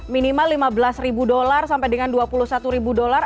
minimal lima belas ribu dolar sampai dengan dua puluh satu ribu dolar